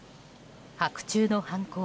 白昼の犯行。